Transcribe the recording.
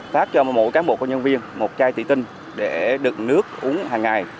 phát cho mỗi cán bộ công nhân viên một chai tỷ tinh để đựng nước uống hàng ngày